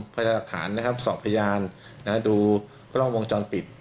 พยายามหลักฐานนะครับสอบพยานดูกล้องวงจรปิด